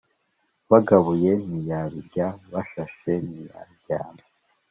Bagabuye ntiyabirya Bashashe ntiyaryama.